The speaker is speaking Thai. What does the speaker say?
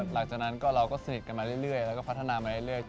หลังจากนั้นเราก็สนิทกันมาเรื่อยแล้วก็พัฒนามาเรื่อย